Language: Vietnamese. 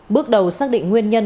bước đầu xác định nguyên nhân